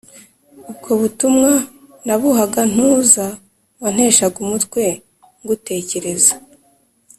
ubwo butumwa nabuhaga ntuza, wanteshaga umutwe ngutekereza